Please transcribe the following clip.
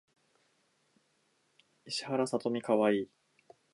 聡明な女性に憧れる